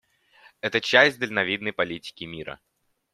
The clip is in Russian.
Это часть дальновидной политики мира.